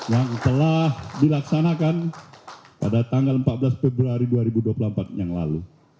yang telah dilaksanakan pada tanggal empat belas februari dua ribu dua puluh empat yang lalu